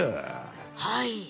はい。